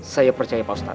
saya percaya pak ustadz